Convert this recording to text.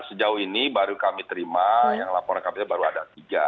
sejauh ini baru kami terima yang laporan kami baru ada tiga